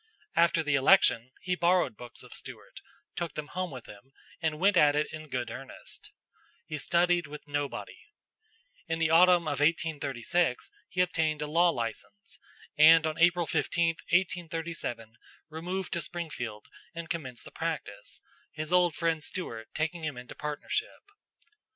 After the election, he borrowed books of Stuart, took them home with him, and went at it in good earnest. He studied with nobody.... In the autumn of 1836 he obtained a law license, and on April 15, 1837, removed to Springfield and commenced the practice, his old friend Stuart taking him into partnership."